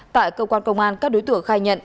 tại cơ quan công an các đối tượng khai nhận